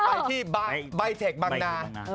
ไปที่ใบเทคบางนา